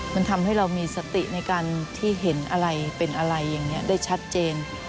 มันทำให้เรามีสติในการที่เห็นอะไรเป็นอะไรอย่างนี้ได้ชัดเจน